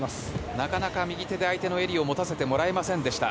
なかなか右手で相手の襟を持たせてもらえませんでした。